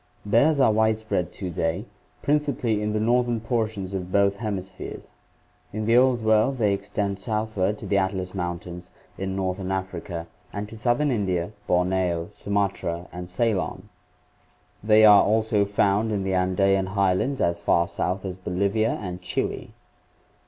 Bears are widespread to day, principally in the northern portions ol both hem ispheres. In the Old World they extend southward to the Atlas Moun tains in northern Africa and to southern India, Borneo, Sumatra and Ceylon. They are also found in the Andean highlands as far south as Bolivia and Chile.